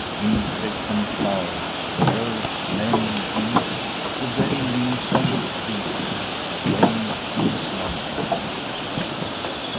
Insects and flowers, birds, men, beasts, the very leaves on the trees away in slumberland.